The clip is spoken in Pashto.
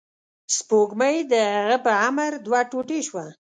سپوږمۍ د هغه په امر دوه ټوټې شوه.